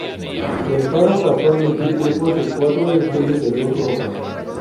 El faro pasó a emitir grupos de cuatro destellos de luz roja.